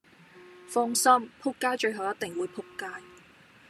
放心！仆街最後一定會仆街